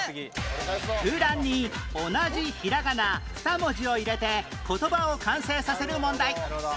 空欄に同じ平仮名２文字を入れて言葉を完成させる問題